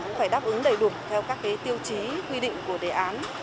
cũng phải đáp ứng đầy đủ theo các tiêu chí quy định của đề án